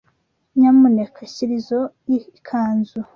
Nyamuneka shyira izoi kanzu.